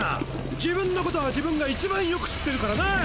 自分のことは自分が一番よく知ってるからなァ！